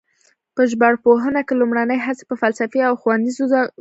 په ژبارواپوهنه کې لومړنۍ هڅې په فلسفي او ښوونیزو څانګو کې وې